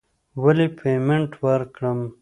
ولې پیمنټ وکړم.